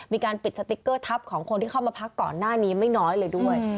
มีการปิดสติ๊กเกอร์ทัพของคนที่เข้ามาพักก่อนหน้านี้ไม่น้อยเลยด้วย